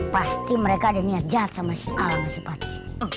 pasti mereka ada niat jahat sama si alang dan si fatih